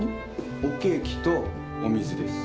おケーキとお水です。